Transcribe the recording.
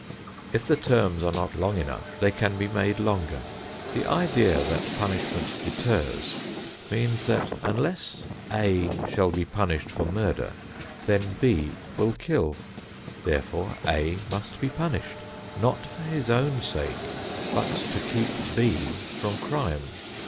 If the terms are not long enough, they can be made longer. The idea that punishment deters, means that unless A shall be punished for murder, then B will kill; therefore A must be punished, not for his own sake, but to keep B from crime.